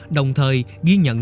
đồng thời ghi nhận